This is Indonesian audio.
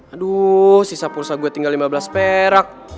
aduh sisa pursa gue tinggal lima belas perak